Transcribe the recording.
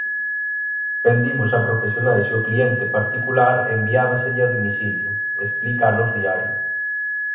"Vendimos a profesionais e ao cliente particular enviábaselle a domicilio", explica a Nós Diario.